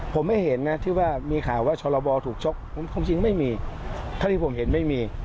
ผมจริงไม่มีเท่าที่ผมเห็นไม่มี